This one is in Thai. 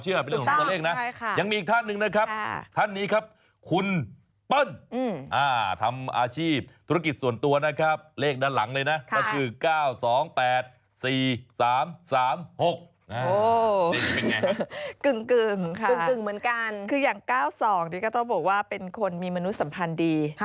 คืออย่าง๙๒คือก็ต้องบอกว่าเป็นคนมีมนุษย์สัมพันธ์ดี